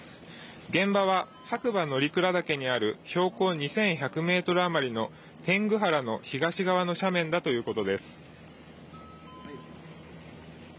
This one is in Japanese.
現場は白馬乗鞍岳にある標高２１００メートル余りの天狗原の東側の斜面だということです。